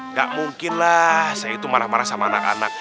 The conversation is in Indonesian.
nggak mungkin lah saya itu marah marah sama anak anak